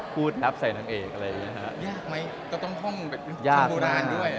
พูดแร็พใส่นางเอกอะไรแบบนี้นะครับ